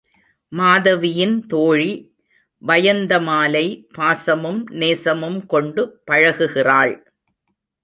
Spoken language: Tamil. மாதவியின் தோழி வயந்த மாலை பாசமும் நேசமும் கொண்டு பழகுகிறாள்.